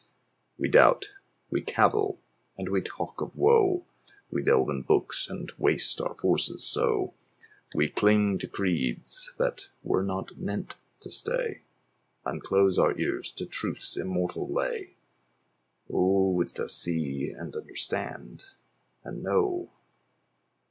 We doubt, we cavil, and we talk of woe— We delve in books, and waste our forces so; We cling to creeds that were not meant to stay, And close our ears to Truth's immortal lay. Oh wouldst thou see, and understand, and know?